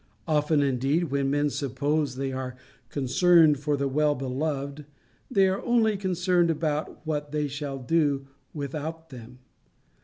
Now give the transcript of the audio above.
Often, indeed, when men suppose they are concerned for the well beloved, they are only concerned about what they shall do without them.